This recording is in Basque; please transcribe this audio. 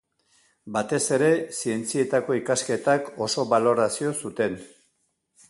Batez ere zientzietako ikasketak oso balorazio zuten.